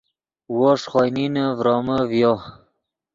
وو ݰے خوئے نینے ڤرومے ڤیو